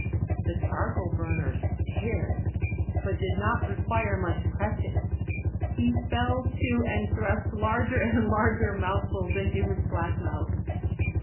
The charcoal burner stared, but did not require much pressing; he fell to, and thrust larger and larger mouthfuls into his black mouth.